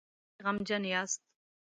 ولې غمجن یاست؟